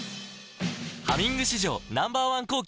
「ハミング」史上Ｎｏ．１抗菌